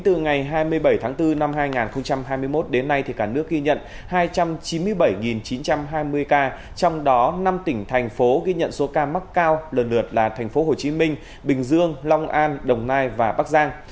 từ ngày hai mươi bảy tháng bốn năm hai nghìn hai mươi một đến nay cả nước ghi nhận hai trăm chín mươi bảy chín trăm hai mươi ca trong đó năm tỉnh thành phố ghi nhận số ca mắc cao lần lượt là thành phố hồ chí minh bình dương long an đồng nai và bắc giang